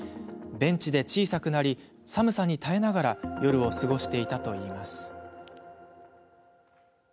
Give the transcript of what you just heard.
ベンチで小さくなり寒さに耐えながら夜を過ごしていたといいます。